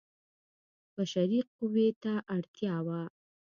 بشري قوې ته اړتیا وه.